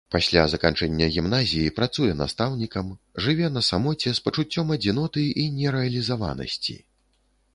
Пасля заканчэння гімназіі працуе настаўнікам, жыве на самоце з пачуццём адзіноты і нерэалізаванасці.